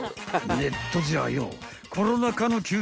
［ネットじゃあよう］